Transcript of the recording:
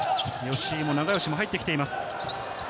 吉井も永吉も入ってきています。